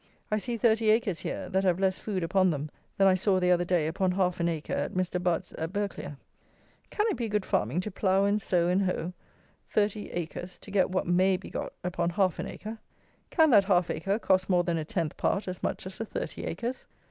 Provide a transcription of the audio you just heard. I see thirty acres here that have less food upon them than I saw the other day upon half an acre at Mr. Budd's at Berghclere. Can it be good farming to plough and sow and hoe thirty acres to get what may be got upon half an acre? Can that half acre cost more than a tenth part as much as the thirty acres?